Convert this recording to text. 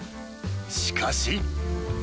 しかし。